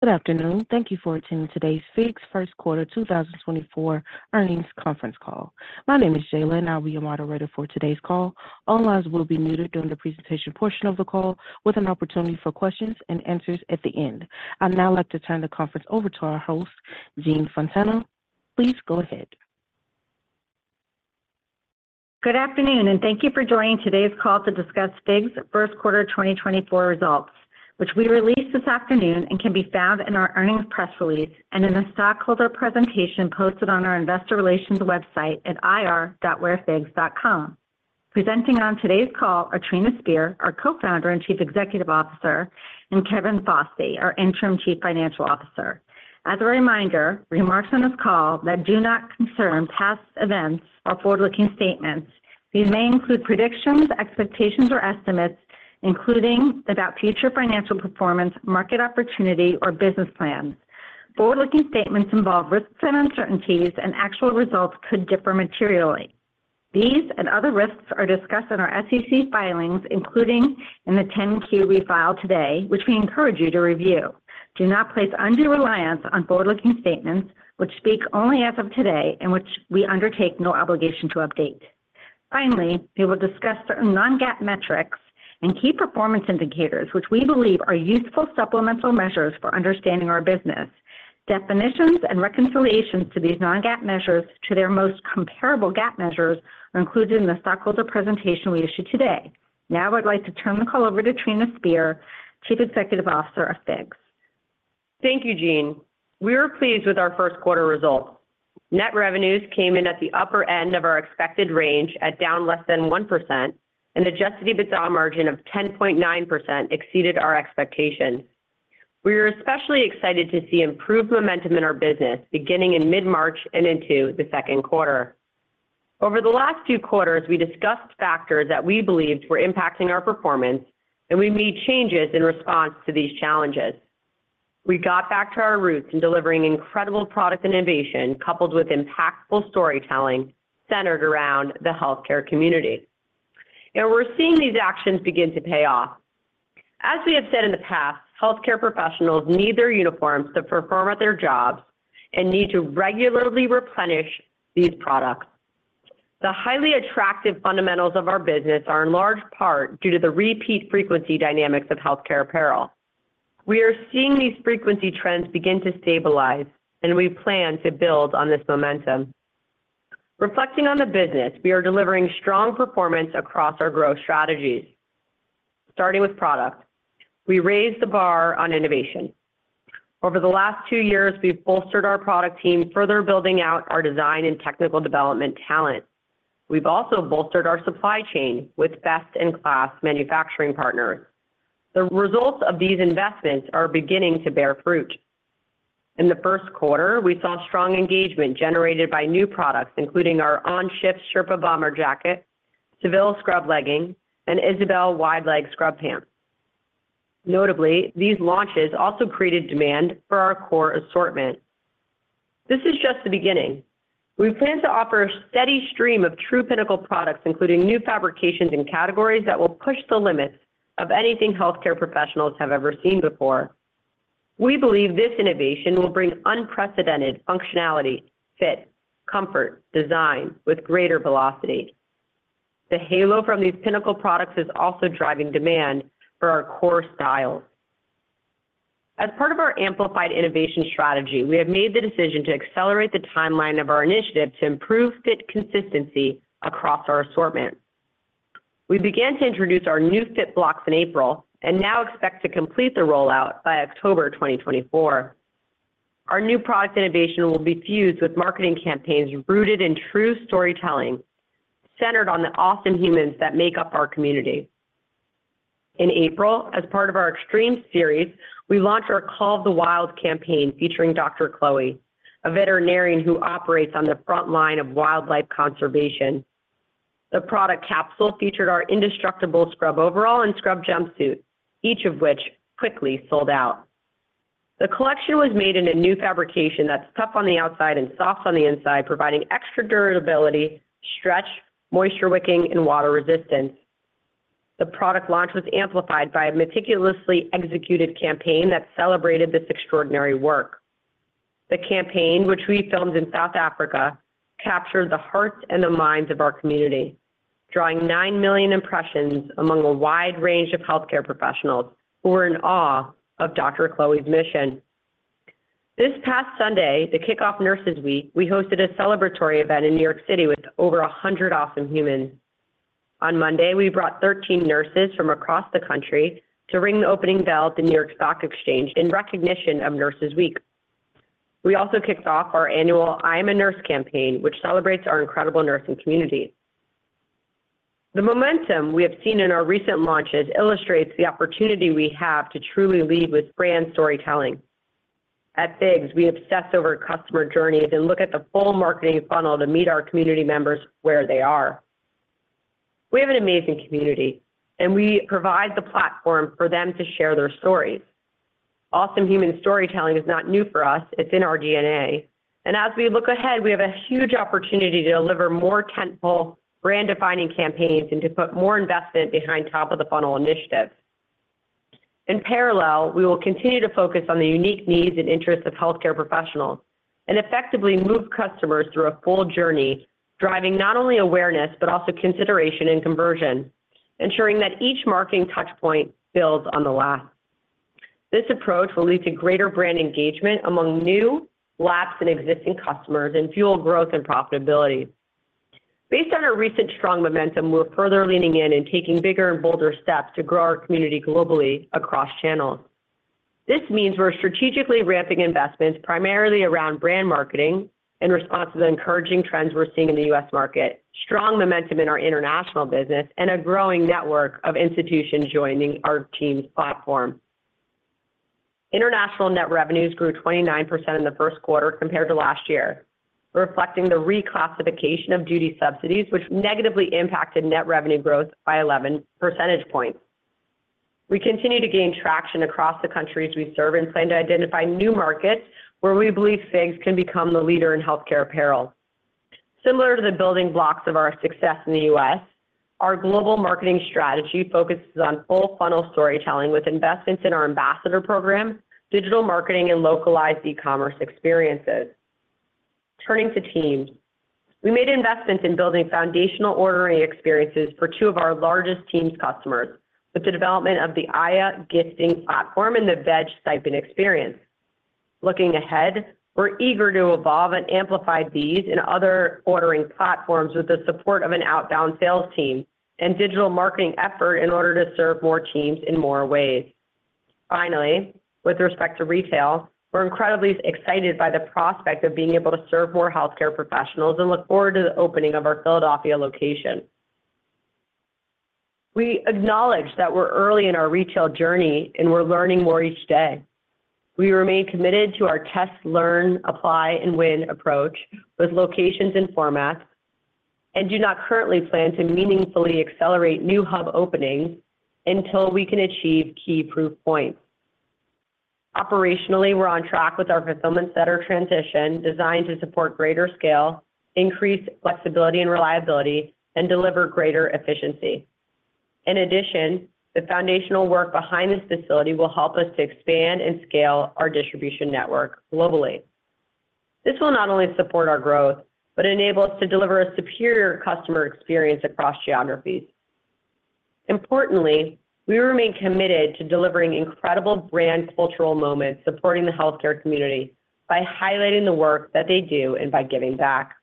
Good afternoon. Thank you for attending today's FIGS First Quarter 2024 earnings conference call. My name is Jayla, and I'll be your moderator for today's call. All lines will be muted during the presentation portion of the call, with an opportunity for questions and answers at the end. I'd now like to turn the conference over to our host, Jean Fontana. Please go ahead. Good afternoon, and thank you for joining today's call to discuss FIGS first quarter 2024 results, which we released this afternoon and can be found in our earnings press release and in a stockholder presentation posted on our investor relations website at ir.figs.com. Presenting on today's call are Trina Spear, our co-founder and Chief Executive Officer, and Kevin Fosty, our Interim Chief Financial Officer. As a reminder, remarks on this call that do not concern past events are forward-looking statements. These may include predictions, expectations, or estimates, including about future financial performance, market opportunity, or business plans. Forward-looking statements involve risks and uncertainties, and actual results could differ materially. These and other risks are discussed in our SEC filings, including in the 10-Q filed today, which we encourage you to review. Do not place undue reliance on forward-looking statements, which speak only as of today and which we undertake no obligation to update. Finally, we will discuss certain non-GAAP metrics and key performance indicators, which we believe are useful supplemental measures for understanding our business. Definitions and reconciliations to these non-GAAP measures to their most comparable GAAP measures are included in the stockholder presentation we issued today. Now I'd like to turn the call over to Trina Spear, Chief Executive Officer of FIGS. Thank you, Jean. We were pleased with our first quarter results. Net revenues came in at the upper end of our expected range at down less than 1%, and the adjusted EBITDA margin of 10.9% exceeded our expectations. We were especially excited to see improved momentum in our business beginning in mid-March and into the second quarter. Over the last few quarters, we discussed factors that we believed were impacting our performance, and we made changes in response to these challenges. We got back to our roots in delivering incredible product innovation coupled with impactful storytelling centered around the healthcare community. We're seeing these actions begin to pay off. As we have said in the past, healthcare professionals need their uniforms to perform at their jobs and need to regularly replenish these products. The highly attractive fundamentals of our business are in large part due to the repeat frequency dynamics of healthcare apparel. We are seeing these frequency trends begin to stabilize, and we plan to build on this momentum. Reflecting on the business, we are delivering strong performance across our growth strategies. Starting with product, we raised the bar on innovation. Over the last two years, we've bolstered our product team further building out our design and technical development talent. We've also bolstered our supply chain with best-in-class manufacturing partners. The results of these investments are beginning to bear fruit. In the first quarter, we saw strong engagement generated by new products, including our On-Shift Sherpa Bomber jacket, Seville ScrubLegging, and Isabel Wide Leg Scrub Pants. Notably, these launches also created demand for our core assortment. This is just the beginning. We plan to offer a steady stream of true pinnacle products, including new fabrications and categories that will push the limits of anything healthcare professionals have ever seen before. We believe this innovation will bring unprecedented functionality, fit, comfort, design, with greater velocity. The halo from these pinnacle products is also driving demand for our core styles. As part of our amplified innovation strategy, we have made the decision to accelerate the timeline of our initiative to improve fit consistency across our assortment. We began to introduce our new fit blocks in April and now expect to complete the rollout by October 2024. Our new product innovation will be fused with marketing campaigns rooted in true storytelling centered on the awesome humans that make up our community. In April, as part of our Extreme series, we launched our Call of the Wild campaign featuring Dr. Chloe, a veterinarian who operates on the front line of wildlife conservation. The product capsule featured our Indestructible scrub overalls and scrub jumpsuit, each of which quickly sold out. The collection was made in a new fabrication that's tough on the outside and soft on the inside, providing extra durability, stretch, moisture-wicking, and water resistance. The product launch was amplified by a meticulously executed campaign that celebrated this extraordinary work. The campaign, which we filmed in South Africa, captured the hearts and the minds of our community, drawing nine million impressions among a wide range of healthcare professionals who were in awe of Dr. Chloe's mission. This past Sunday, the kickoff Nurses Week, we hosted a celebratory event in New York City with over 100 awesome humans. On Monday, we brought 13 nurses from across the country to ring the opening bell at the New York Stock Exchange in recognition of Nurses Week. We also kicked off our annual I'm a Nurse campaign, which celebrates our incredible nursing community. The momentum we have seen in our recent launches illustrates the opportunity we have to truly lead with brand storytelling. At FIGS, we obsess over customer journeys and look at the full marketing funnel to meet our community members where they are. We have an amazing community, and we provide the platform for them to share their stories. Awesome human storytelling is not new for us. It's in our DNA. And as we look ahead, we have a huge opportunity to deliver more tentpole brand-defining campaigns and to put more investment behind top-of-the-funnel initiatives. In parallel, we will continue to focus on the unique needs and interests of healthcare professionals and effectively move customers through a full journey, driving not only awareness but also consideration and conversion, ensuring that each marketing touchpoint builds on the last. This approach will lead to greater brand engagement among new, lapsed, and existing customers and fuel growth and profitability. Based on our recent strong momentum, we're further leaning in and taking bigger and bolder steps to grow our community globally across channels. This means we're strategically ramping investments primarily around brand marketing in response to the encouraging trends we're seeing in the U.S. market, strong momentum in our international business, and a growing network of institutions joining our team's platform. International net revenues grew 29% in the first quarter compared to last year, reflecting the reclassification of duty subsidies, which negatively impacted net revenue growth by 11 percentage points. We continue to gain traction across the countries we serve and plan to identify new markets where we believe FIGS can become the leader in healthcare apparel. Similar to the building blocks of our success in the U.S., our global marketing strategy focuses on full-funnel storytelling with investments in our ambassador program, digital marketing, and localized e-commerce experiences. Turning to Teams, we made investments in building foundational ordering experiences for two of our largest Teams customers with the development of the AYA gifting platform and the VEG stipend experience. Looking ahead, we're eager to evolve and amplify these in other ordering platforms with the support of an outbound sales team and digital marketing effort in order to serve more teams in more ways. Finally, with respect to retail, we're incredibly excited by the prospect of being able to serve more healthcare professionals and look forward to the opening of our Philadelphia location. We acknowledge that we're early in our retail journey and we're learning more each day. We remain committed to our test-learn, apply, and win approach with locations and formats and do not currently plan to meaningfully accelerate new hub openings until we can achieve key proof points. Operationally, we're on track with our fulfillment center transition designed to support greater scale, increase flexibility and reliability, and deliver greater efficiency. In addition, the foundational work behind this facility will help us to expand and scale our distribution network globally. This will not only support our growth but enable us to deliver a superior customer experience across geographies. Importantly, we remain committed to delivering incredible brand cultural moments supporting the healthcare community by highlighting the work that they do and by giving back.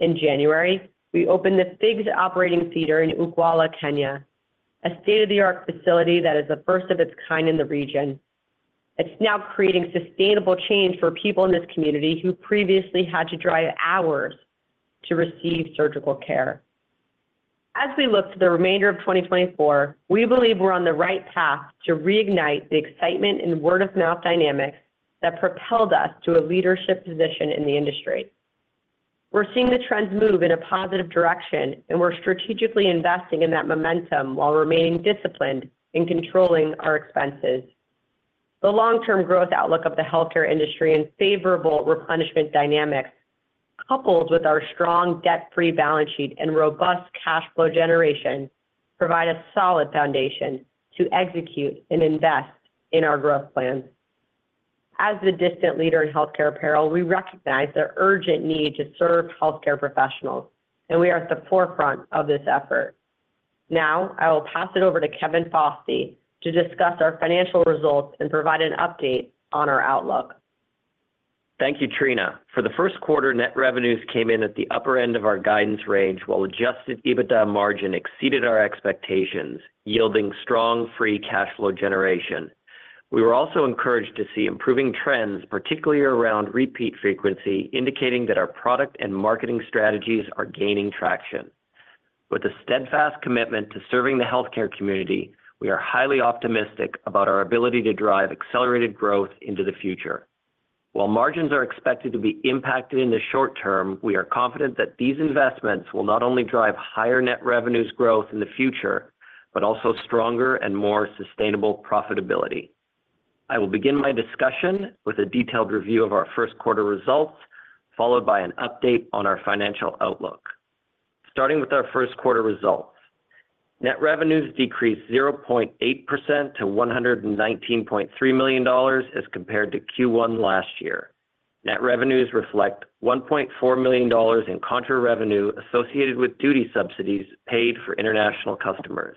In January, we opened the FIGS Operating Theater in Ukwala, Kenya, a state-of-the-art facility that is the first of its kind in the region. It's now creating sustainable change for people in this community who previously had to drive hours to receive surgical care. As we look to the remainder of 2024, we believe we're on the right path to reignite the excitement and word-of-mouth dynamics that propelled us to a leadership position in the industry. We're seeing the trends move in a positive direction, and we're strategically investing in that momentum while remaining disciplined in controlling our expenses. The long-term growth outlook of the healthcare industry and favorable replenishment dynamics, coupled with our strong debt-free balance sheet and robust cash flow generation, provide a solid foundation to execute and invest in our growth plans. As the dominant leader in healthcare apparel, we recognize the urgent need to serve healthcare professionals, and we are at the forefront of this effort. Now, I will pass it over to Kevin Fosty to discuss our financial results and provide an update on our outlook. Thank you, Trina. For the first quarter, net revenues came in at the upper end of our guidance range while Adjusted EBITDA margin exceeded our expectations, yielding strong free cash flow generation. We were also encouraged to see improving trends, particularly around repeat frequency, indicating that our product and marketing strategies are gaining traction. With a steadfast commitment to serving the healthcare community, we are highly optimistic about our ability to drive accelerated growth into the future. While margins are expected to be impacted in the short term, we are confident that these investments will not only drive higher net revenues growth in the future but also stronger and more sustainable profitability. I will begin my discussion with a detailed review of our first quarter results, followed by an update on our financial outlook. Starting with our first quarter results, net revenues decreased 0.8% to $119.3 million as compared to Q1 last year. Net revenues reflect $1.4 million in contra revenue associated with duty subsidies paid for international customers.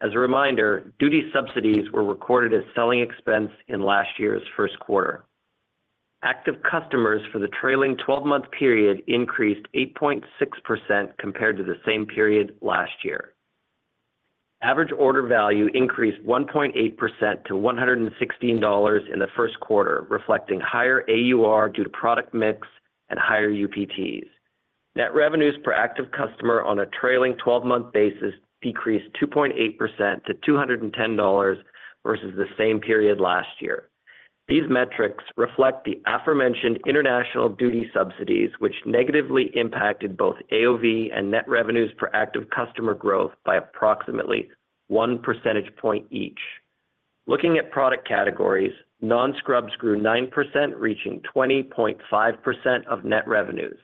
As a reminder, duty subsidies were recorded as selling expense in last year's first quarter. Active customers for the trailing 12-month period increased 8.6% compared to the same period last year. Average order value increased 1.8% to $116 in the first quarter, reflecting higher AUR due to product mix and higher UPTs. Net revenues per active customer on a trailing 12-month basis decreased 2.8% to $210 versus the same period last year. These metrics reflect the aforementioned international duty subsidies, which negatively impacted both AOV and net revenues per active customer growth by approximately one percentage point each. Looking at product categories, non-scrubs grew 9%, reaching 20.5% of net revenues.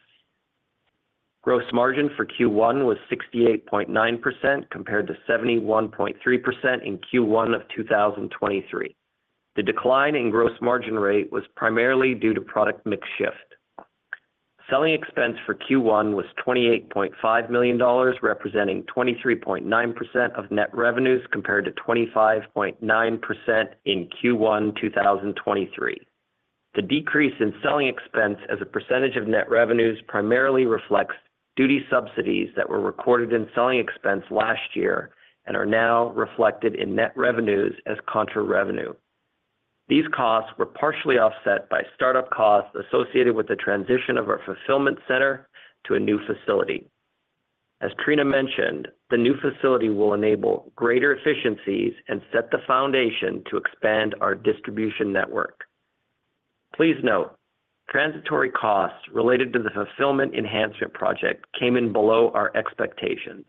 Gross margin for Q1 was 68.9% compared to 71.3% in Q1 of 2023. The decline in gross margin rate was primarily due to product mix shift. Selling expense for Q1 was $28.5 million, representing 23.9% of net revenues compared to 25.9% in Q1 2023. The decrease in selling expense as a percentage of net revenues primarily reflects duty subsidies that were recorded in selling expense last year and are now reflected in net revenues as contra revenue. These costs were partially offset by startup costs associated with the transition of our fulfillment center to a new facility. As Trina mentioned, the new facility will enable greater efficiencies and set the foundation to expand our distribution network. Please note, transitory costs related to the fulfillment enhancement project came in below our expectations,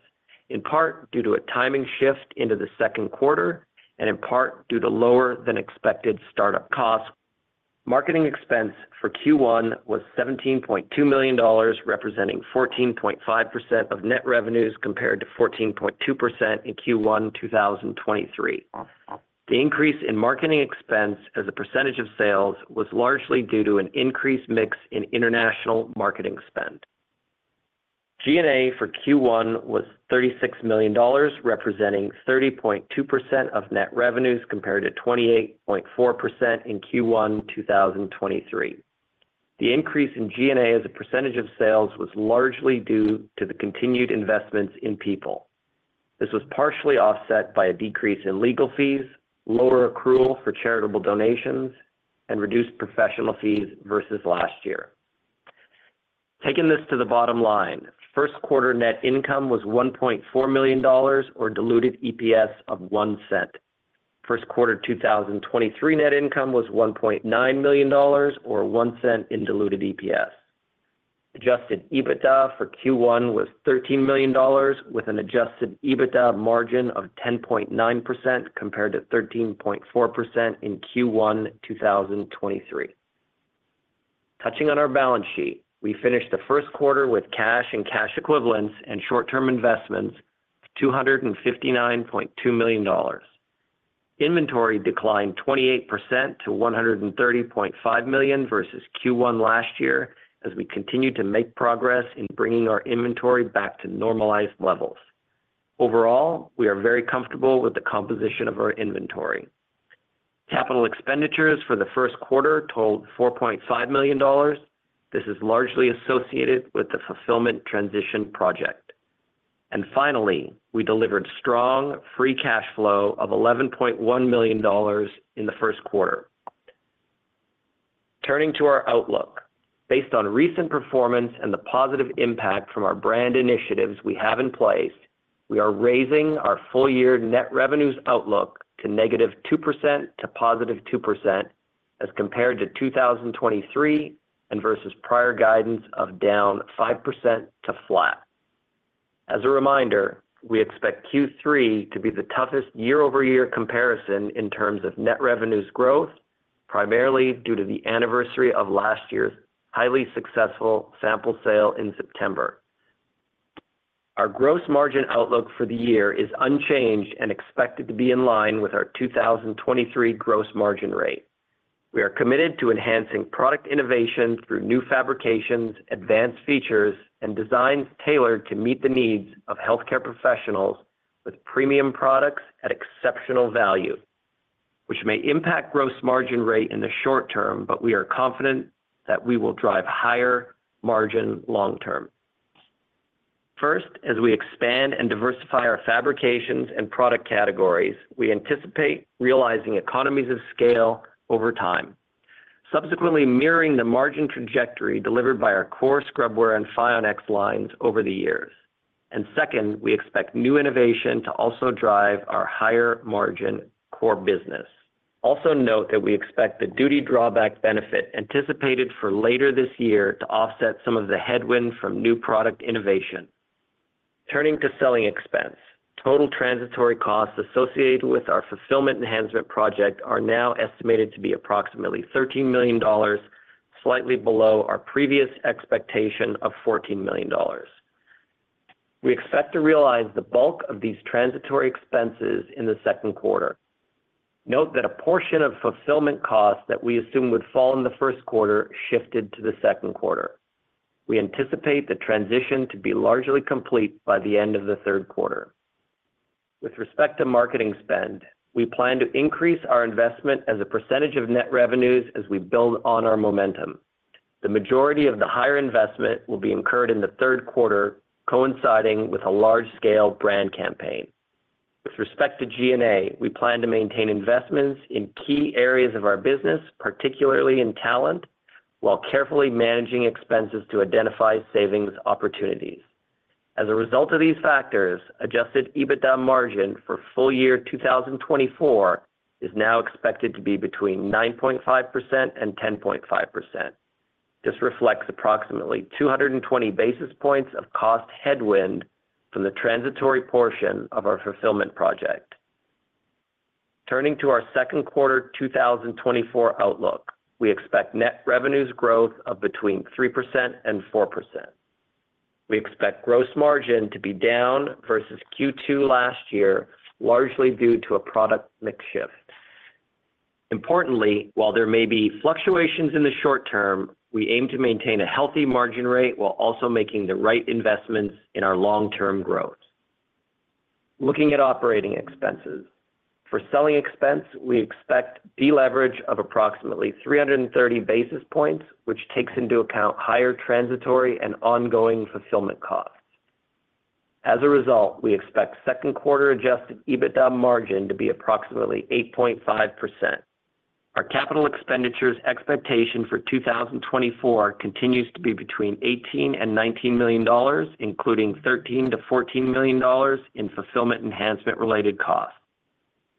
in part due to a timing shift into the second quarter and in part due to lower-than-expected startup costs. Marketing expense for Q1 was $17.2 million, representing 14.5% of net revenues compared to 14.2% in Q1 2023. The increase in marketing expense as a percentage of sales was largely due to an increased mix in international marketing spend. G&A for Q1 was $36 million, representing 30.2% of net revenues compared to 28.4% in Q1 2023. The increase in G&A as a percentage of sales was largely due to the continued investments in people. This was partially offset by a decrease in legal fees, lower accrual for charitable donations, and reduced professional fees versus last year. Taking this to the bottom line, first quarter net income was $1.4 million or diluted EPS of $0.01. First quarter 2023 net income was $1.9 million or $0.01 in diluted EPS. Adjusted EBITDA for Q1 was $13 million with an adjusted EBITDA margin of 10.9% compared to 13.4% in Q1 2023. Touching on our balance sheet, we finished the first quarter with cash and cash equivalents and short-term investments of $259.2 million. Inventory declined 28% to $130.5 million versus Q1 last year as we continue to make progress in bringing our inventory back to normalized levels. Overall, we are very comfortable with the composition of our inventory. Capital expenditures for the first quarter totaled $4.5 million. This is largely associated with the fulfillment transition project. And finally, we delivered strong free cash flow of $11.1 million in the first quarter. Turning to our outlook, based on recent performance and the positive impact from our brand initiatives we have in place, we are raising our full-year net revenues outlook to -2% to +2% as compared to 2023 and versus prior guidance of down 5% to flat. As a reminder, we expect Q3 to be the toughest year-over-year comparison in terms of net revenues growth, primarily due to the anniversary of last year's highly successful sample sale in September. Our gross margin outlook for the year is unchanged and expected to be in line with our 2023 gross margin rate. We are committed to enhancing product innovation through new fabrications, advanced features, and designs tailored to meet the needs of healthcare professionals with premium products at exceptional value, which may impact gross margin rate in the short term, but we are confident that we will drive higher margin long term. First, as we expand and diversify our fabrications and product categories, we anticipate realizing economies of scale over time, subsequently mirroring the margin trajectory delivered by our core scrubwear and FIONx lines over the years. And second, we expect new innovation to also drive our higher margin core business. Also note that we expect the duty drawback benefit anticipated for later this year to offset some of the headwind from new product innovation. Turning to selling expense, total transitory costs associated with our fulfillment enhancement project are now estimated to be approximately $13 million, slightly below our previous expectation of $14 million. We expect to realize the bulk of these transitory expenses in the second quarter. Note that a portion of fulfillment costs that we assume would fall in the first quarter shifted to the second quarter. We anticipate the transition to be largely complete by the end of the third quarter. With respect to marketing spend, we plan to increase our investment as a percentage of net revenues as we build on our momentum. The majority of the higher investment will be incurred in the third quarter, coinciding with a large-scale brand campaign. With respect to G&A, we plan to maintain investments in key areas of our business, particularly in talent, while carefully managing expenses to identify savings opportunities. As a result of these factors, adjusted EBITDA margin for full year 2024 is now expected to be between 9.5% and 10.5%. This reflects approximately 220 basis points of cost headwind from the transitory portion of our fulfillment project. Turning to our second quarter 2024 outlook, we expect net revenues growth of between 3% and 4%. We expect gross margin to be down versus Q2 last year, largely due to a product mix shift. Importantly, while there may be fluctuations in the short term, we aim to maintain a healthy margin rate while also making the right investments in our long-term growth. Looking at operating expenses, for selling expense, we expect deleverage of approximately 330 basis points, which takes into account higher transitory and ongoing fulfillment costs. As a result, we expect second quarter Adjusted EBITDA margin to be approximately 8.5%. Our capital expenditures expectation for 2024 continues to be between $18-$19 million, including $13-$14 million in fulfillment enhancement-related costs.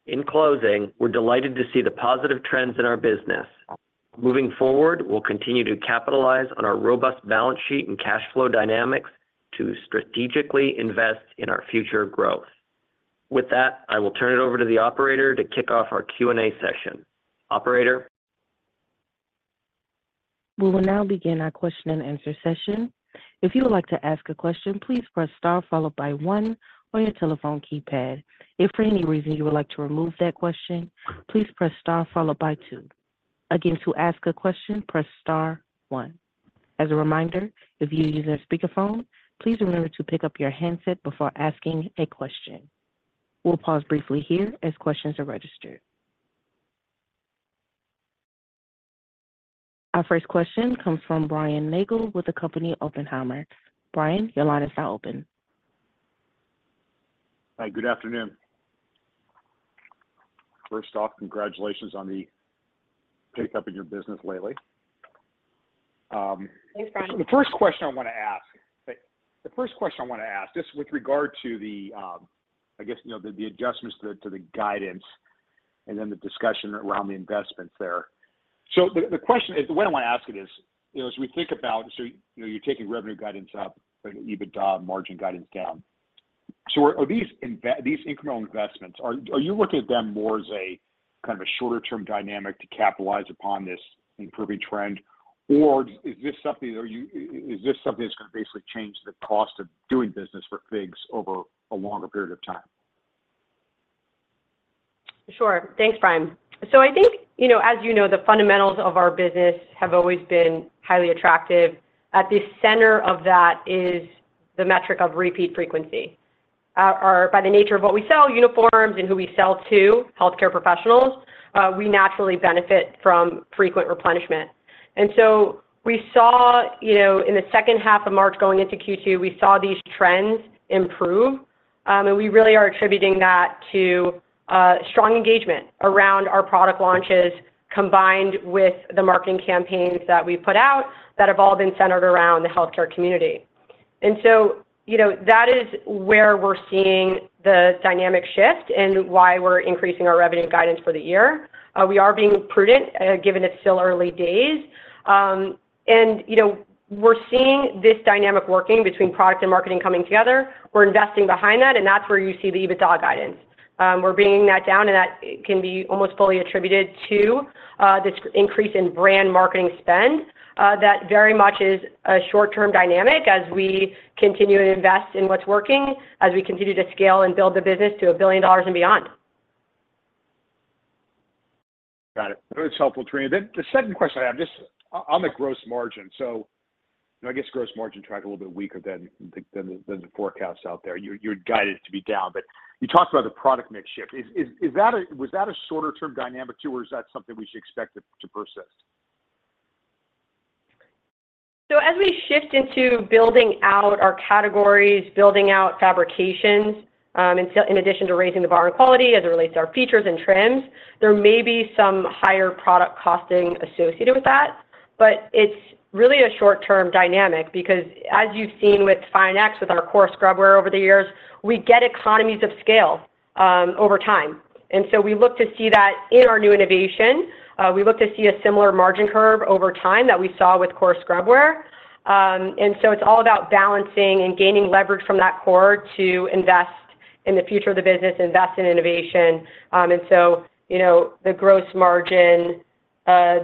In closing, we're delighted to see the positive trends in our business. Moving forward, we'll continue to capitalize on our robust balance sheet and cash flow dynamics to strategically invest in our future growth. With that, I will turn it over to the operator to kick off our Q&A session. Operator. We will now begin our question-and-answer session. If you would like to ask a question, please press star followed by one on your telephone keypad. If for any reason you would like to remove that question, please press star followed by two. Again, to ask a question, press star one. As a reminder, if you're using a speakerphone, please remember to pick up your handset before asking a question. We'll pause briefly here as questions are registered. Our first question comes from Brian Nagel with the company Oppenheimer. Brian, your line is now open. Hi, good afternoon. First off, congratulations on the pickup in your business lately. Thanks, Brian. So the first question I want to ask just with regard to the, I guess, the adjustments to the guidance and then the discussion around the investments there. So the question is, the way I want to ask it is, as we think about, so you're taking revenue guidance up, but EBITDA margin guidance down. So are these incremental investments? Are you looking at them more as a kind of a shorter-term dynamic to capitalize upon this improving trend, or is this something that's going to basically change the cost of doing business for FIGS over a longer period of time? Sure. Thanks, Brian. So I think, as you know, the fundamentals of our business have always been highly attractive. At the center of that is the metric of repeat frequency. By the nature of what we sell, uniforms, and who we sell to, healthcare professionals, we naturally benefit from frequent replenishment. And so we saw in the second half of March going into Q2, we saw these trends improve. And we really are attributing that to strong engagement around our product launches combined with the marketing campaigns that we've put out that have all been centered around the healthcare community. And so that is where we're seeing the dynamic shift and why we're increasing our revenue guidance for the year. We are being prudent given it's still early days. And we're seeing this dynamic working between product and marketing coming together. We're investing behind that, and that's where you see the EBITDA guidance. We're bringing that down, and that can be almost fully attributed to this increase in brand marketing spend that very much is a short-term dynamic as we continue to invest in what's working, as we continue to scale and build the business to $1 billion and beyond. Got it. That's helpful, Trina. Then the second question I have just on the gross margin. So I guess gross margin track is a little bit weaker than the forecasts out there. You're guided to be down, but you talked about the product mix shift. Was that a shorter-term dynamic too, or is that something we should expect to persist? So as we shift into building out our categories, building out fabrications, in addition to raising the bar on quality as it relates to our features and trims, there may be some higher product costing associated with that. But it's really a short-term dynamic because, as you've seen with FIONx, with our core scrubwear over the years, we get economies of scale over time. And so we look to see that in our new innovation. We look to see a similar margin curve over time that we saw with core scrubwear. And so it's all about balancing and gaining leverage from that core to invest in the future of the business, invest in innovation. And so the gross margin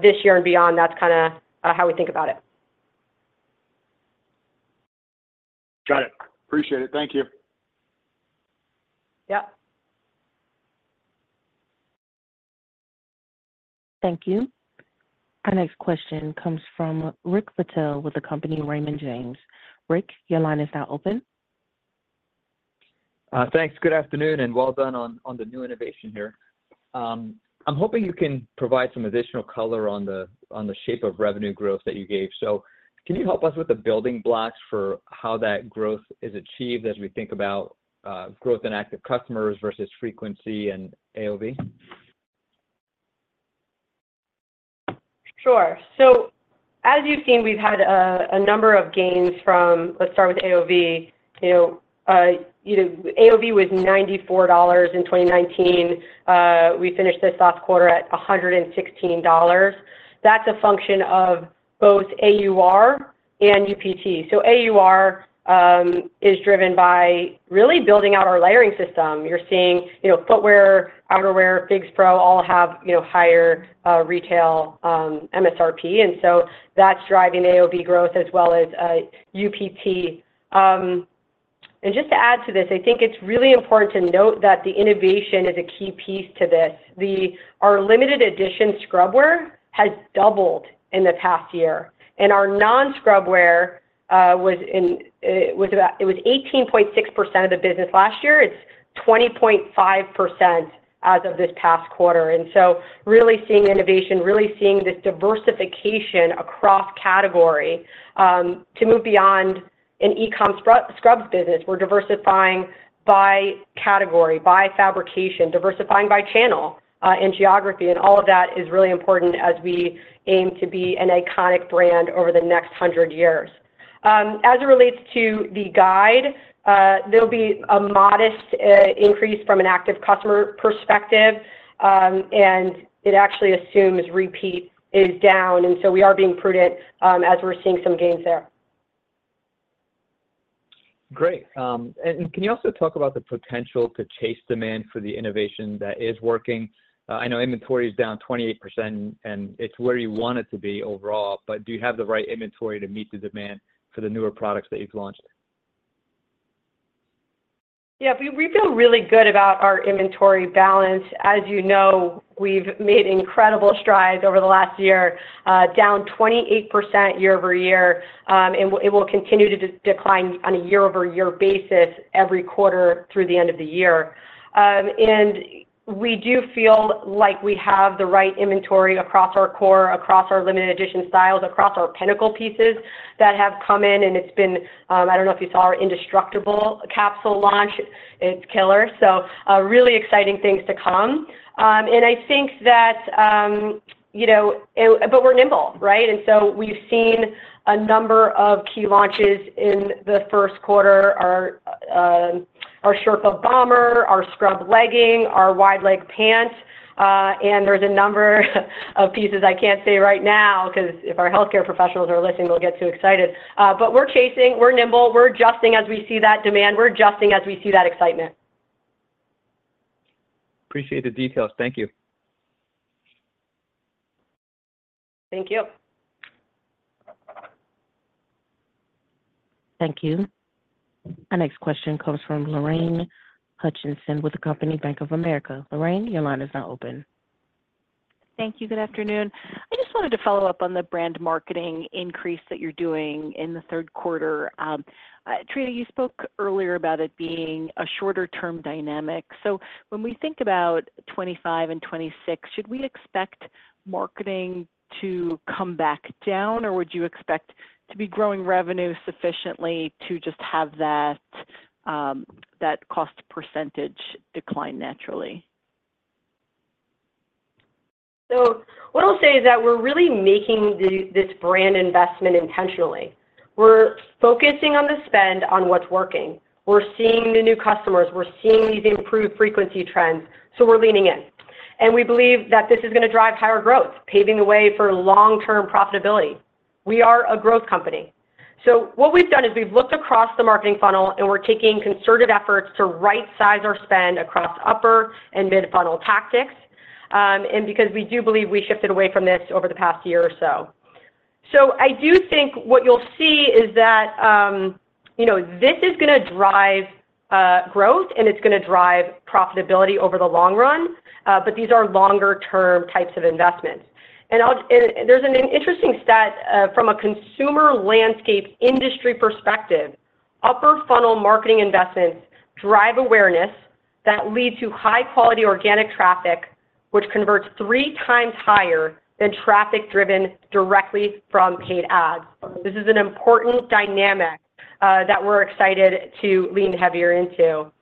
this year and beyond, that's kind of how we think about it. Got it. Appreciate it. Thank you. Yep. Thank you. Our next question comes from Rick Patel with the company Raymond James. Rick, your line is now open. Thanks. Good afternoon and well done on the new innovation here. I'm hoping you can provide some additional color on the shape of revenue growth that you gave. So can you help us with the building blocks for how that growth is achieved as we think about growth in active customers versus frequency and AOV? Sure. So as you've seen, we've had a number of gains from let's start with AOV. AOV was $94 in 2019. We finished this last quarter at $116. That's a function of both AUR and UPT. So AUR is driven by really building out our layering system. You're seeing footwear, outerwear, FIGS Pro all have higher retail MSRP. And so that's driving AOV growth as well as UPT. And just to add to this, I think it's really important to note that the innovation is a key piece to this. Our limited edition scrubwear has doubled in the past year. And our non-scrubwear was 18.6% of the business last year. It's 20.5% as of this past quarter. And so really seeing innovation, really seeing this diversification across category to move beyond an e-comm scrubs business. We're diversifying by category, by fabrication, diversifying by channel and geography. And all of that is really important as we aim to be an iconic brand over the next 100 years. As it relates to the guide, there'll be a modest increase from an active customer perspective, and it actually assumes repeat is down. And so we are being prudent as we're seeing some gains there. Great. And can you also talk about the potential to chase demand for the innovation that is working? I know inventory is down 28%, and it's where you want it to be overall, but do you have the right inventory to meet the demand for the newer products that you've launched? Yeah. We feel really good about our inventory balance. As you know, we've made incredible strides over the last year, down 28% year-over-year, and it will continue to decline on a year-over-year basis every quarter through the end of the year. We do feel like we have the right inventory across our core, across our limited edition styles, across our pinnacle pieces that have come in. It's been. I don't know if you saw our Indestructible capsule launch. It's killer. So really exciting things to come. I think that, but we're nimble, right? We've seen a number of key launches in the first quarter: our Sherpa Bomber, our scrub legging, our wide-leg pants. There's a number of pieces I can't say right now because if our healthcare professionals are listening, they'll get too excited. But we're chasing. We're nimble. We're adjusting as we see that demand. We're adjusting as we see that excitement. Appreciate the details. Thank you. Thank you. Thank you. Our next question comes from Lorraine Hutchinson with the company Bank of America. Lorraine, your line is now open. Thank you. Good afternoon. I just wanted to follow up on the brand marketing increase that you're doing in the third quarter. Trina, you spoke earlier about it being a shorter-term dynamic. So when we think about 2025 and 2026, should we expect marketing to come back down, or would you expect to be growing revenue sufficiently to just have that cost percentage decline naturally? So what I'll say is that we're really making this brand investment intentionally. We're focusing on the spend, on what's working. We're seeing the new customers. We're seeing these improved frequency trends. So we're leaning in. And we believe that this is going to drive higher growth, paving the way for long-term profitability. We are a growth company. So what we've done is we've looked across the marketing funnel, and we're taking concerted efforts to right-size our spend across upper and mid-funnel tactics because we do believe we shifted away from this over the past year or so. So I do think what you'll see is that this is going to drive growth, and it's going to drive profitability over the long run, but these are longer-term types of investments. And there's an interesting stat from a consumer landscape industry perspective. Upper-funnel marketing investments drive awareness that leads to high-quality organic traffic, which converts three times higher than traffic driven directly from paid ads. This is an important dynamic that we're excited to lean heavier into.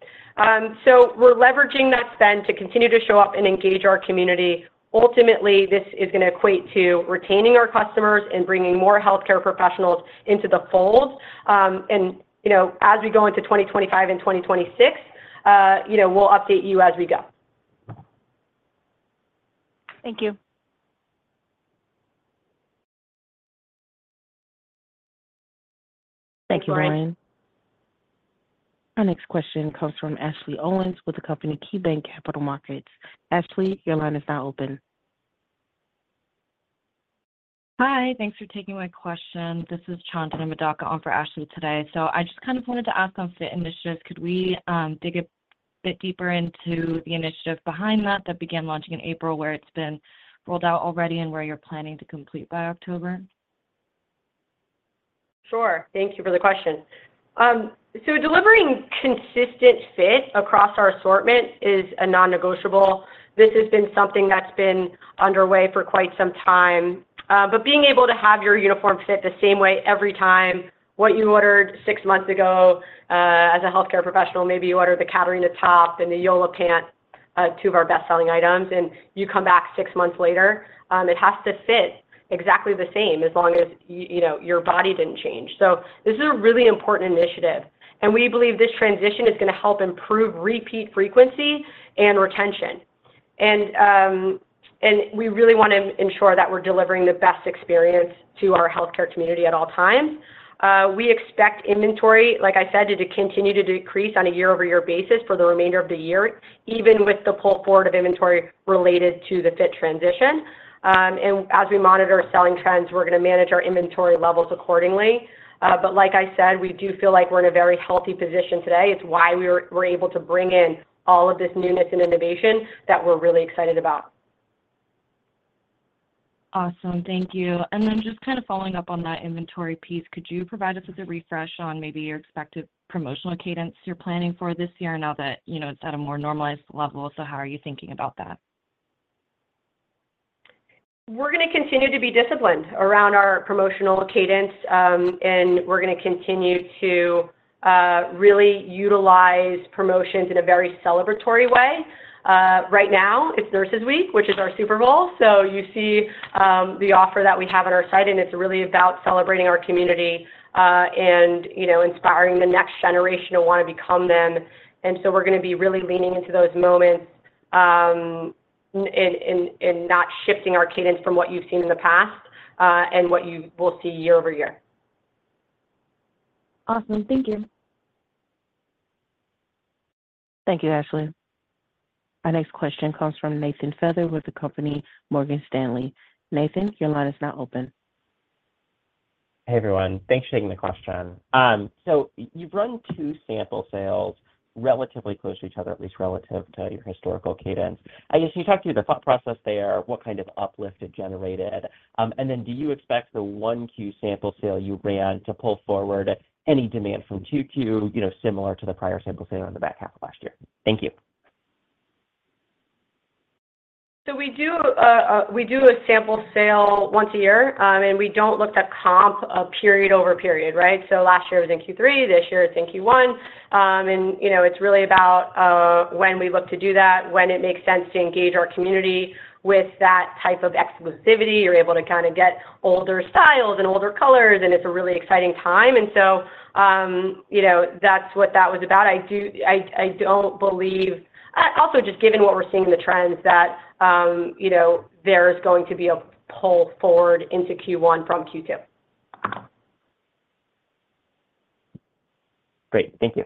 So we're leveraging that spend to continue to show up and engage our community. Ultimately, this is going to equate to retaining our customers and bringing more healthcare professionals into the fold. As we go into 2025 and 2026, we'll update you as we go. Thank you. Thank you, Lorraine. Our next question comes from Ashley Owens with the company KeyBanc Capital Markets. Ashley, your line is now open. Hi. Thanks for taking my question. This is Chand Madaka on for Ashley today. So I just kind of wanted to ask on FIT initiatives. Could we dig a bit deeper into the initiative behind that that began launching in April where it's been rolled out already and where you're planning to complete by October? Sure. Thank you for the question. So delivering consistent fit across our assortment is a non-negotiable. This has been something that's been underway for quite some time. But being able to have your uniform fit the same way every time, what you ordered six months ago as a healthcare professional, maybe you ordered the Catarina top and the Yola pant, two of our best-selling items, and you come back six months later, it has to fit exactly the same as long as your body didn't change. So this is a really important initiative. And we believe this transition is going to help improve repeat frequency and retention. And we really want to ensure that we're delivering the best experience to our healthcare community at all times. We expect inventory, like I said, to continue to decrease on a year-over-year basis for the remainder of the year, even with the pull forward of inventory related to the FIT transition. As we monitor selling trends, we're going to manage our inventory levels accordingly. But like I said, we do feel like we're in a very healthy position today. It's why we were able to bring in all of this newness and innovation that we're really excited about. Awesome. Thank you. And then just kind of following up on that inventory piece, could you provide us with a refresh on maybe your expected promotional cadence you're planning for this year now that it's at a more normalized level? So how are you thinking about that? We're going to continue to be disciplined around our promotional cadence, and we're going to continue to really utilize promotions in a very celebratory way. Right now, it's Nurses' Week, which is our Super Bowl. So you see the offer that we have on our site, and it's really about celebrating our community and inspiring the next generation to want to become them. And so we're going to be really leaning into those moments and not shifting our cadence from what you've seen in the past and what you will see year over year. Awesome. Thank you. Thank you, Ashley. Our next question comes from Nathan Feather with the company Morgan Stanley. Nathan, your line is now open. Hey, everyone. Thanks for taking the question. So you've run two sample sales relatively close to each other, at least relative to your historical cadence. I guess you talked through the thought process there, what kind of uplift it generated. And then do you expect the one-queue sample sale you ran to pull forward any demand from two-queue similar to the prior sample sale in the back half of last year? Thank you. So we do a sample sale once a year, and we don't look at comp period over period, right? So last year, it was in Q3. This year, it's in Q1. And it's really about when we look to do that, when it makes sense to engage our community with that type of exclusivity. You're able to kind of get older styles and older colors, and it's a really exciting time. And so that's what that was about. I don't believe also, just given what we're seeing in the trends, that there's going to be a pull forward into Q1 from Q2. Great. Thank you.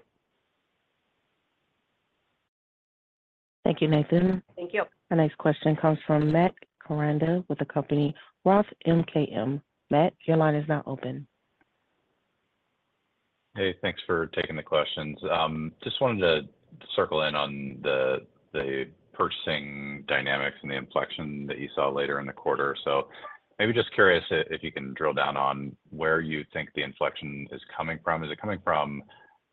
Thank you, Nathan. Thank you. Our next question comes from Matt Koranda with the company Roth MKM. Matt, your line is now open. Hey. Thanks for taking the questions. Just wanted to circle in on the purchasing dynamics and the inflection that you saw later in the quarter. So maybe just curious if you can drill down on where you think the inflection is coming from. Is it coming from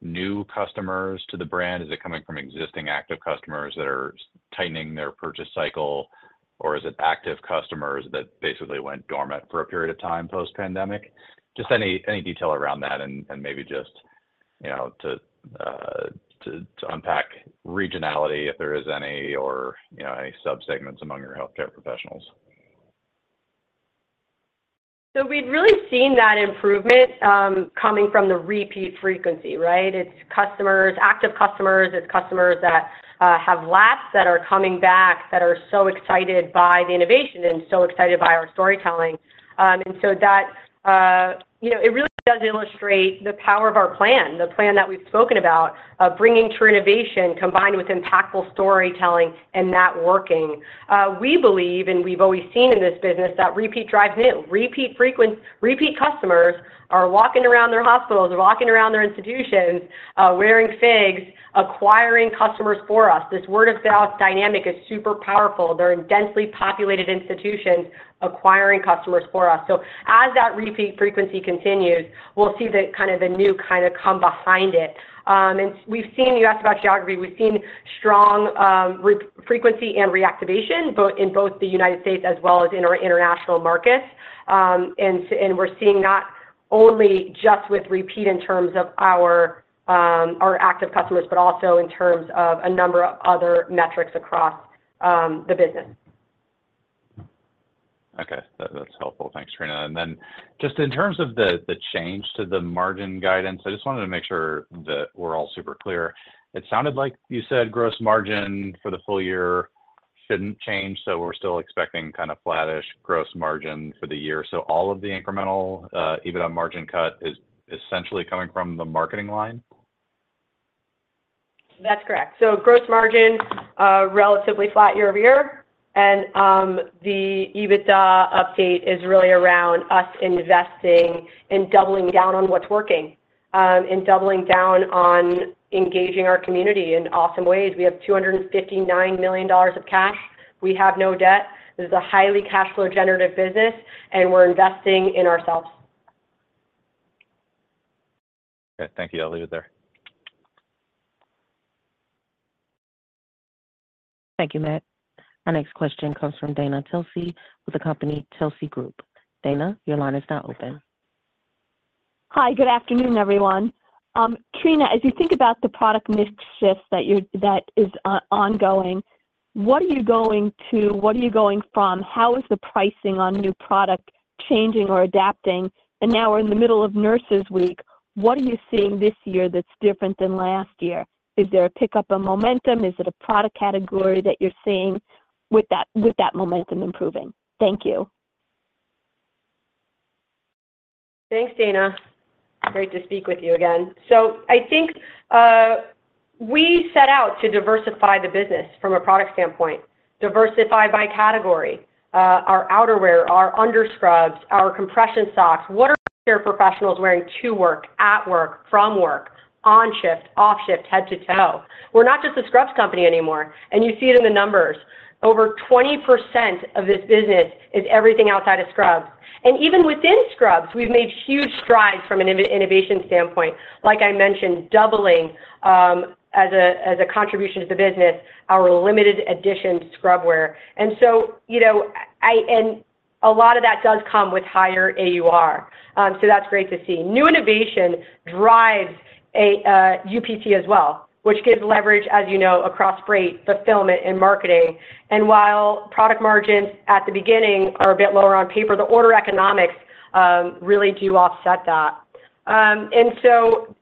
new customers to the brand? Is it coming from existing active customers that are tightening their purchase cycle, or is it active customers that basically went dormant for a period of time post-pandemic? Just any detail around that and maybe just to unpack regionality if there is any or any subsegments among your healthcare professionals. So we've really seen that improvement coming from the repeat frequency, right? It's active customers. It's customers that have lapsed that are coming back that are so excited by the innovation and so excited by our storytelling. And so that it really does illustrate the power of our plan, the plan that we've spoken about of bringing true innovation combined with impactful storytelling and that working. We believe, and we've always seen in this business, that repeat drives new. Repeat customers are walking around their hospitals, walking around their institutions, wearing FIGS, acquiring customers for us. This word-of-mouth dynamic is super powerful. They're in densely populated institutions acquiring customers for us. So as that repeat frequency continues, we'll see kind of the new kind of come behind it. And you asked about geography. We've seen strong frequency and reactivation in both the United States as well as in our international markets. We're seeing not only just with repeat in terms of our active customers but also in terms of a number of other metrics across the business. Okay. That's helpful. Thanks, Trina. And then just in terms of the change to the margin guidance, I just wanted to make sure that we're all super clear. It sounded like you said gross margin for the full year shouldn't change, so we're still expecting kind of flat-ish gross margin for the year. So all of the incremental EBITDA margin cut is essentially coming from the marketing line? That's correct. Gross margin relatively flat year-over-year. The EBITDA update is really around us investing and doubling down on what's working and doubling down on engaging our community in awesome ways. We have $259 million of cash. We have no debt. This is a highly cash-flow-generative business, and we're investing in ourselves. Okay. Thank you. I'll leave it there. Thank you, Matt. Our next question comes from Dana Telsey with the company Telsey Group. Dana, your line is now open. Hi. Good afternoon, everyone. Trina, as you think about the product mix shift that is ongoing, what are you going from? How is the pricing on new product changing or adapting? And now we're in the middle of Nurses' Week. What are you seeing this year that's different than last year? Is there a pickup of momentum? Is it a product category that you're seeing with that momentum improving? Thank you. Thanks, Dana. Great to speak with you again. So I think we set out to diversify the business from a product standpoint, diversify by category: our outerwear, our under-scrubs, our compression socks. What are care professionals wearing to work, at work, from work, on shift, off shift, head to toe? We're not just a scrubs company anymore. And you see it in the numbers. Over 20% of this business is everything outside of scrubs. And even within scrubs, we've made huge strides from an innovation standpoint. Like I mentioned, doubling as a contribution to the business, our limited-edition scrubwear. And a lot of that does come with higher AUR. So that's great to see. New innovation drives UPT as well, which gives leverage, as you know, across freight, fulfillment, and marketing. And while product margins at the beginning are a bit lower on paper, the order economics really do offset that. So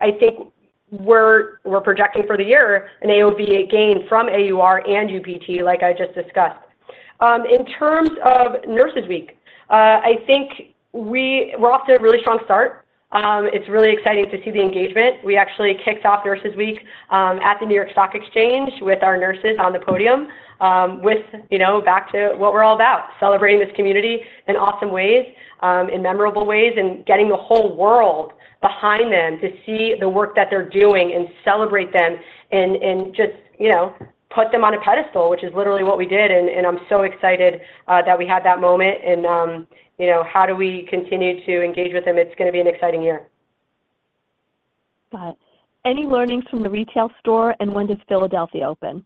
I think we're projecting for the year an AOV gain from AUR and UPT, like I just discussed. In terms of Nurses' Week, I think we're off to a really strong start. It's really exciting to see the engagement. We actually kicked off Nurses' Week at the New York Stock Exchange with our nurses on the podium back to what we're all about, celebrating this community in awesome ways, in memorable ways, and getting the whole world behind them to see the work that they're doing and celebrate them and just put them on a pedestal, which is literally what we did. I'm so excited that we had that moment. And how do we continue to engage with them? It's going to be an exciting year. Got it. Any learnings from the retail store, and when does Philadelphia open?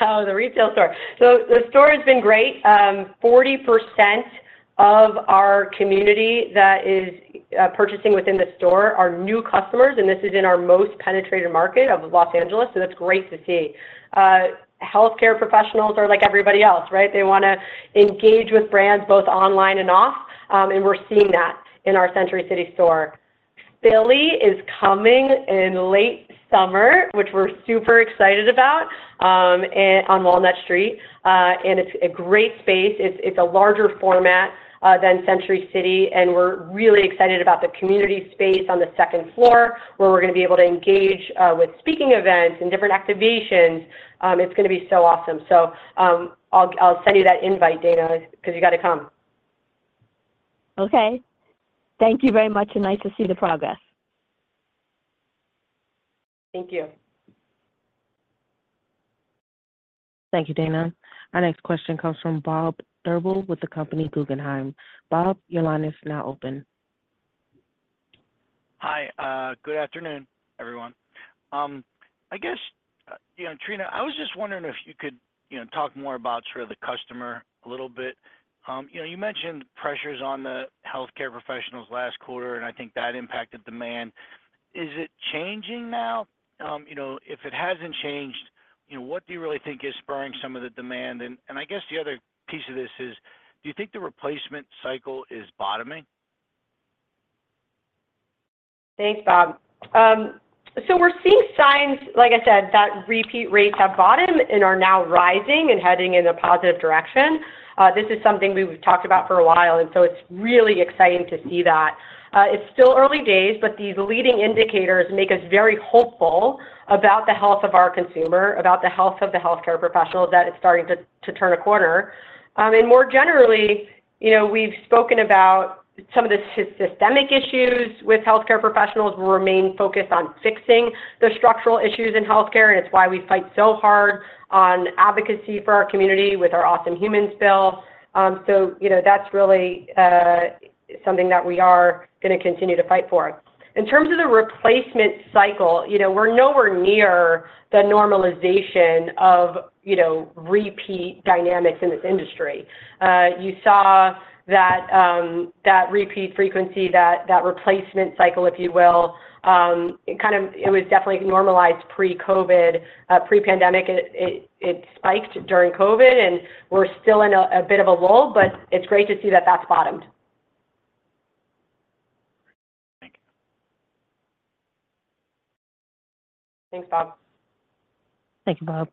Oh, the retail store. So the store has been great. 40% of our community that is purchasing within the store are new customers. And this is in our most penetrated market of Los Angeles, so that's great to see. Healthcare professionals are like everybody else, right? They want to engage with brands both online and off. And we're seeing that in our Century City store. Philly is coming in late summer, which we're super excited about, on Walnut Street. And it's a great space. It's a larger format than Century City. And we're really excited about the community space on the second floor where we're going to be able to engage with speaking events and different activations. It's going to be so awesome. So I'll send you that invite, Dana, because you got to come. Okay. Thank you very much, and nice to see the progress. Thank you. Thank you, Dana. Our next question comes from Bob Drbul with the company Guggenheim. Bob, your line is now open. Hi. Good afternoon, everyone. I guess, Trina, I was just wondering if you could talk more about sort of the customer a little bit. You mentioned pressures on the healthcare professionals last quarter, and I think that impacted demand. Is it changing now? If it hasn't changed, what do you really think is spurring some of the demand? And I guess the other piece of this is, do you think the replacement cycle is bottoming? Thanks, Bob. So we're seeing signs, like I said, that repeat rates have bottomed and are now rising and heading in a positive direction. This is something we've talked about for a while, and so it's really exciting to see that. It's still early days, but these leading indicators make us very hopeful about the health of our consumer, about the health of the healthcare professionals, that it's starting to turn a corner. And more generally, we've spoken about some of the systemic issues with healthcare professionals. We remain focused on fixing the structural issues in healthcare, and it's why we fight so hard on advocacy for our community with our awesome Humans bill. So that's really something that we are going to continue to fight for. In terms of the replacement cycle, we're nowhere near the normalization of repeat dynamics in this industry. You saw that repeat frequency, that replacement cycle, if you will. It was definitely normalized pre-COVID. Pre-pandemic, it spiked during COVID, and we're still in a bit of a lull, but it's great to see that that's bottomed. Thank you. Thanks, Bob. Thank you, Bob.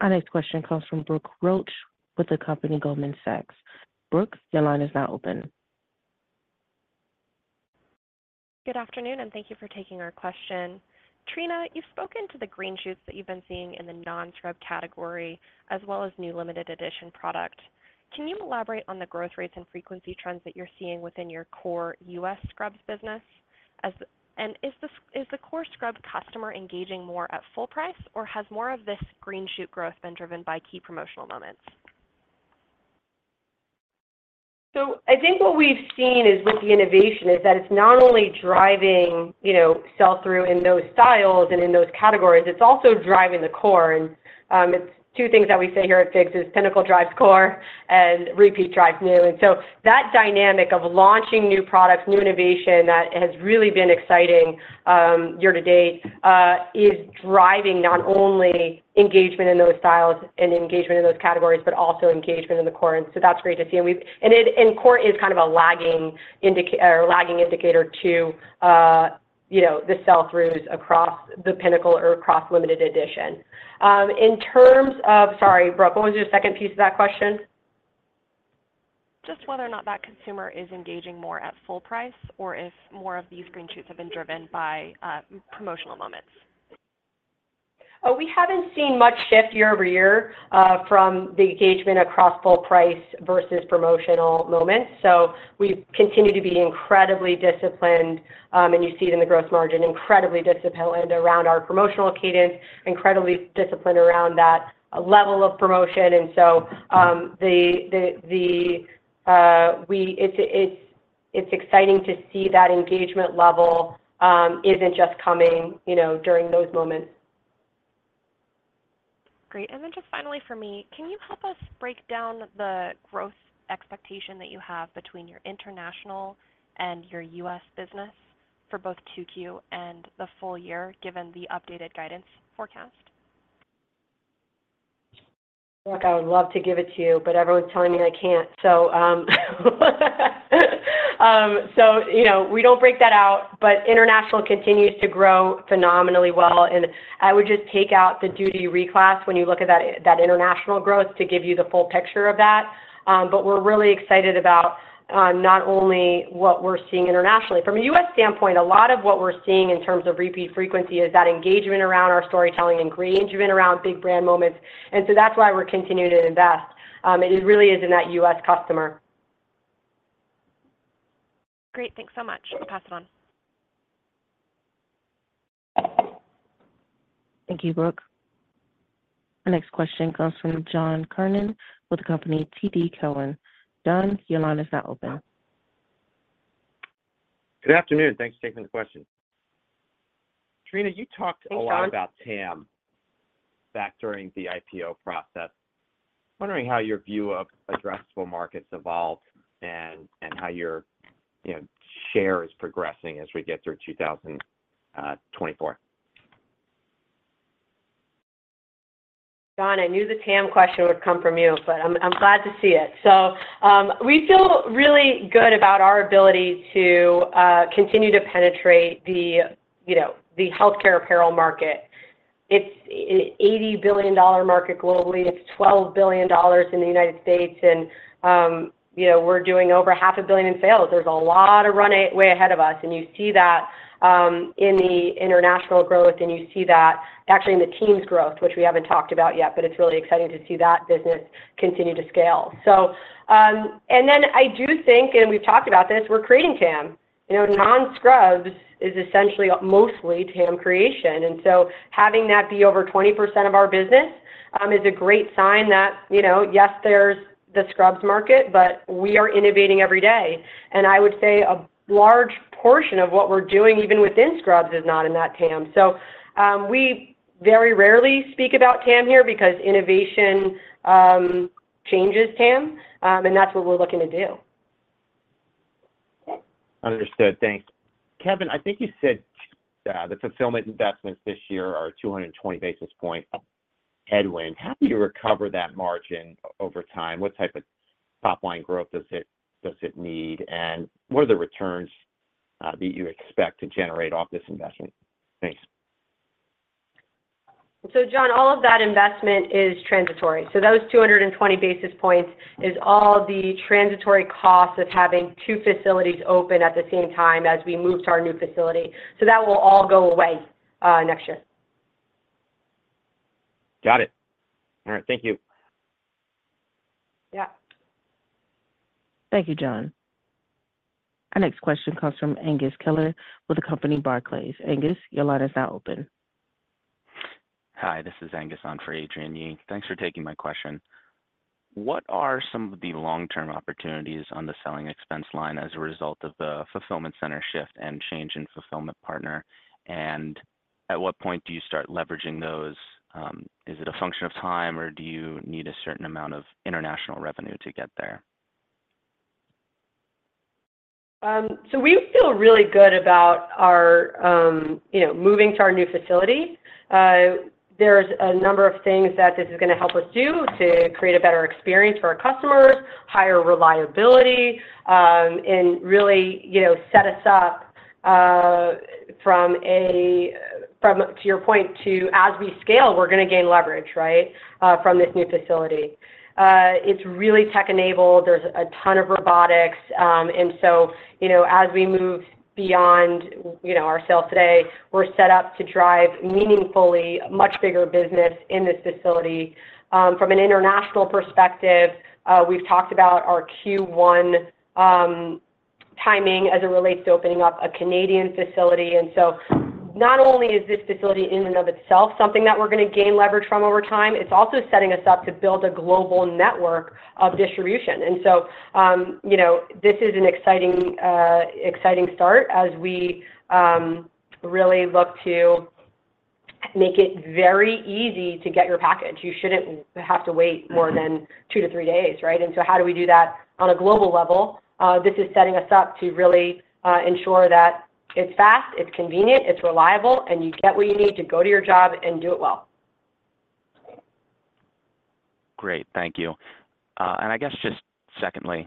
Our next question comes from Brooke Roach with the company Goldman Sachs. Brooke, your line is now open. Good afternoon, and thank you for taking our question. Trina, you've spoken to the green shoots that you've been seeing in the non-scrub category as well as new limited-edition product. Can you elaborate on the growth rates and frequency trends that you're seeing within your core U.S. scrubs business? And is the core scrub customer engaging more at full price, or has more of this green shoot growth been driven by key promotional moments? So I think what we've seen with the innovation is that it's not only driving sell-through in those styles and in those categories, it's also driving the core. And it's two things that we say here at FIGS: pinnacle drives core, and repeat drives new. And so that dynamic of launching new products, new innovation that has really been exciting year to date is driving not only engagement in those styles and engagement in those categories but also engagement in the core. And so that's great to see. And core is kind of a lagging indicator to the sell-throughs across the pinnacle or across limited edition. In terms of, sorry, Brooke, what was your second piece of that question? Just whether or not that consumer is engaging more at full price or if more of these green shoots have been driven by promotional moments. Oh, we haven't seen much shift year-over-year from the engagement across full price versus promotional moments. So we continue to be incredibly disciplined, and you see it in the gross margin, incredibly disciplined around our promotional cadence, incredibly disciplined around that level of promotion. And so it's exciting to see that engagement level isn't just coming during those moments. Great. And then just finally for me, can you help us break down the growth expectation that you have between your international and your U.S. business for both 2Q and the full year given the updated guidance forecast? Brooke, I would love to give it to you, but everyone's telling me I can't. So we don't break that out, but international continues to grow phenomenally well. And I would just take out the duty reclass when you look at that international growth to give you the full picture of that. But we're really excited about not only what we're seeing internationally. From a U.S. standpoint, a lot of what we're seeing in terms of repeat frequency is that engagement around our storytelling and engagement around big brand moments. And so that's why we're continuing to invest. It really is in that U.S. customer. Great. Thanks so much. I'll pass it on. Thank you, Brooke. Our next question comes from John Kernan with the company TD Cowen. John, your line is now open. Good afternoon. Thanks for taking the question. Trina, you talked a lot about TAM back during the IPO process. Wondering how your view of addressable markets evolved and how your share is progressing as we get through 2024. John, I knew the TAM question would come from you, but I'm glad to see it. So we feel really good about our ability to continue to penetrate the healthcare apparel market. It's an $80 billion market globally. It's $12 billion in the United States. And we're doing over $500 million in sales. There's a lot of runway ahead of us. And you see that in the international growth, and you see that actually in the Teams' growth, which we haven't talked about yet, but it's really exciting to see that business continue to scale. And then I do think, and we've talked about this, we're creating TAM. Non-scrubs is essentially mostly TAM creation. And so having that be over 20% of our business is a great sign that, yes, there's the scrubs market, but we are innovating every day. I would say a large portion of what we're doing, even within scrubs, is not in that TAM. So we very rarely speak about TAM here because innovation changes TAM, and that's what we're looking to do. Understood. Thanks. Kevin, I think you said the fulfillment investments this year are a 220 basis point headwind. How do you recover that margin over time? What type of top-line growth does it need? And what are the returns that you expect to generate off this investment? Thanks. So John, all of that investment is transitory. So those 220 basis points is all the transitory costs of having two facilities open at the same time as we move to our new facility. So that will all go away next year. Got it. All right. Thank you. Yeah. Thank you, John. Our next question comes from Angus Kelleher with the company Barclays. Angus, your line is now open. Hi. This is Angus on for Adrienne Yih. Thanks for taking my question. What are some of the long-term opportunities on the selling expense line as a result of the fulfillment center shift and change in fulfillment partner? And at what point do you start leveraging those? Is it a function of time, or do you need a certain amount of international revenue to get there? So we feel really good about moving to our new facility. There's a number of things that this is going to help us do to create a better experience for our customers, higher reliability, and really set us up from a to your point, as we scale, we're going to gain leverage, right, from this new facility. It's really tech-enabled. There's a ton of robotics. And so as we move beyond our sales today, we're set up to drive meaningfully much bigger business in this facility. From an international perspective, we've talked about our Q1 timing as it relates to opening up a Canadian facility. And so not only is this facility in and of itself something that we're going to gain leverage from over time, it's also setting us up to build a global network of distribution. And so this is an exciting start as we really look to make it very easy to get your package. You shouldn't have to wait more than 2-3 days, right? And so how do we do that on a global level? This is setting us up to really ensure that it's fast, it's convenient, it's reliable, and you get what you need to go to your job and do it well. Great. Thank you. And I guess just secondly,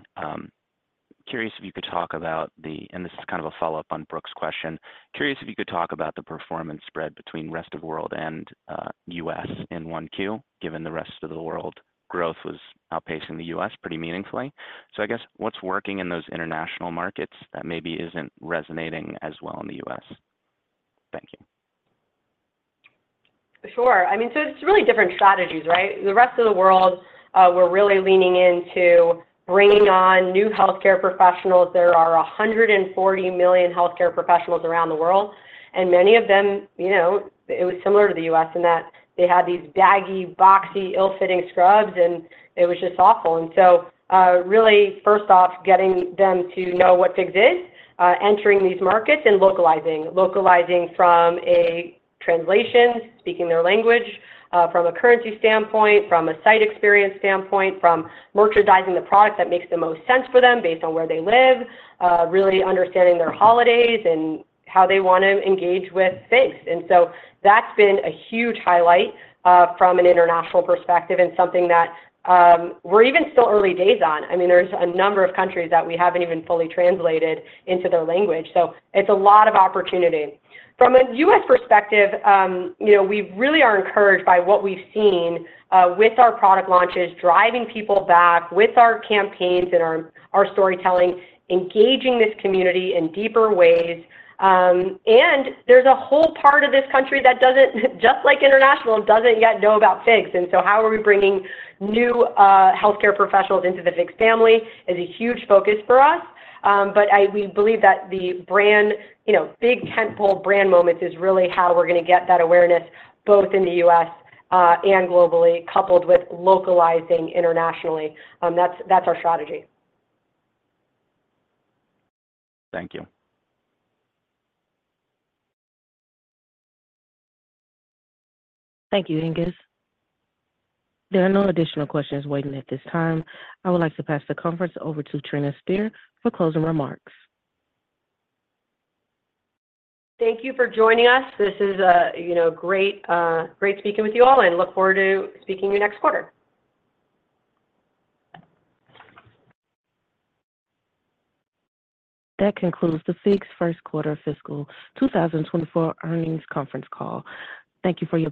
curious if you could talk about the and this is kind of a follow-up on Brooke's question. Curious if you could talk about the performance spread between rest of world and U.S. in 1Q given the rest of the world growth was outpacing the U.S. pretty meaningfully. So I guess what's working in those international markets that maybe isn't resonating as well in the U.S.? Thank you. Sure. I mean, so it's really different strategies, right? The rest of the world, we're really leaning into bringing on new healthcare professionals. There are 140 million healthcare professionals around the world, and many of them, it was similar to the U.S. in that they had these baggy, boxy, ill-fitting scrubs, and it was just awful. And so really, first off, getting them to know what FIGS is, entering these markets, and localizing from a translation, speaking their language, from a currency standpoint, from a site experience standpoint, from merchandising the product that makes the most sense for them based on where they live, really understanding their holidays and how they want to engage with FIGS. And so that's been a huge highlight from an international perspective and something that we're even still early days on. I mean, there's a number of countries that we haven't even fully translated into their language. So it's a lot of opportunity. From a U.S. perspective, we really are encouraged by what we've seen with our product launches driving people back with our campaigns and our storytelling, engaging this community in deeper ways. And there's a whole part of this country that doesn't just like international, doesn't yet know about FIGS. And so how are we bringing new healthcare professionals into the FIGS family is a huge focus for us. But we believe that the big tentpole brand moments is really how we're going to get that awareness both in the U.S. and globally coupled with localizing internationally. That's our strategy. Thank you. Thank you, Angus. There are no additional questions waiting at this time. I would like to pass the conference over to Trina Spear for closing remarks. Thank you for joining us. It's great speaking with you all, and I look forward to speaking with you next quarter. That concludes the FIGS first quarter fiscal 2024 earnings conference call. Thank you for your.